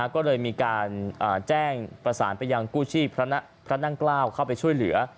ก็เลยมีการแจ้งประสานไปยังกู้ชีพพระนั่งเกล้าเข้าไปช่วยเหลือ